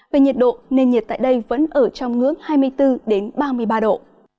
về nhiệt độ nền nhiệt tại đây vẫn ở trong ngưỡng hai mươi bốn ba mươi ba độ